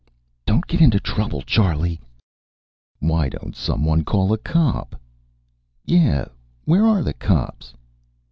"Don't get into trouble, Charley." "Why don't someone call a cop?" "Yeah, where are the cops?"